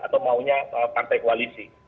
atau maunya partai koalisi